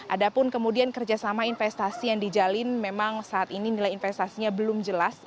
ada pun kemudian kerjasama investasi yang dijalin memang saat ini nilai investasinya belum jelas